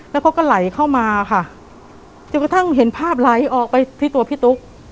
แล้วเขาก็ไหลเข้ามาค่ะจนกระทั่งเห็นภาพไหลออกไปที่ตัวพี่ตุ๊ก